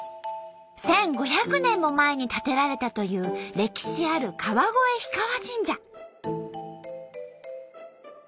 １，５００年も前に建てられたという歴史ある川越氷川神社。